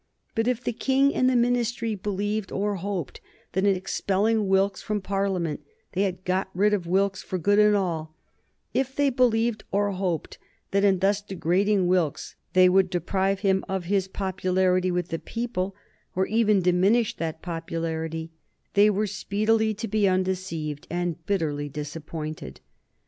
But if the King and the Ministry believed or hoped that in expelling Wilkes from Parliament they had got rid of Wilkes for good and all; if they believed or hoped that in thus degrading Wilkes they would deprive him of his popularity with the people or even diminish that popularity, they were speedily to be undeceived and bitterly disappointed.